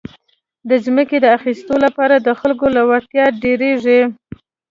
د ځمکو د اخیستو لپاره د خلکو لېوالتیا ډېرېږي.